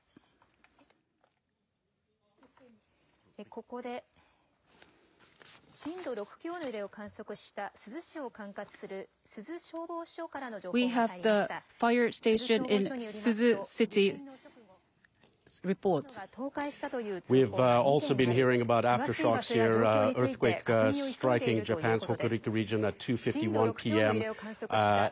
ここで震度６強の揺れを観測した珠洲市を管轄する珠洲消防署からの情報が入りました。